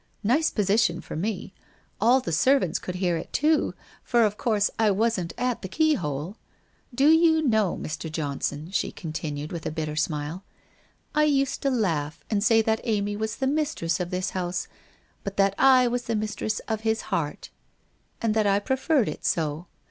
Nice position for me ! All the servants could hear it, too; for, of course, I wasn't at the keyhole. Do you know, Mr. Johnson,' she continued, WHITE ROSE OF WEARY LEAF 393 with a bitter smile, ' I used to laugh and say that Amy was the mistress of his house, but that I was the mistress of his heart, and that I preferred it so.